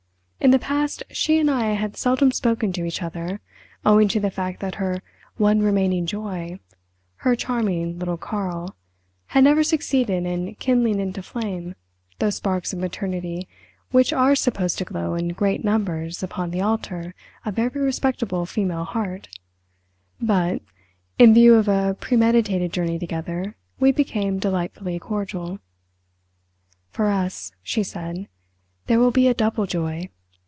In the past she and I had seldom spoken to each other, owing to the fact that her "one remaining joy"—her charming little Karl—had never succeeded in kindling into flame those sparks of maternity which are supposed to glow in great numbers upon the altar of every respectable female heart; but, in view of a premeditated journey together, we became delightfully cordial. "For us," she said, "there will be a double joy.